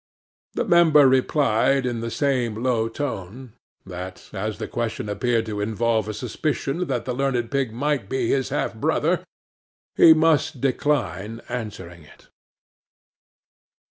'The Member replied in the same low tone, that, as the question appeared to involve a suspicion that the learned pig might be his half brother, he must decline answering it.